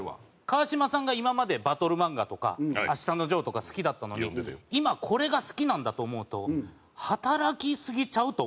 川島さんが今までバトル漫画とか『あしたのジョー』とか好きだったのに今これが好きなんだと思うと働きすぎちゃう？と思いましたね。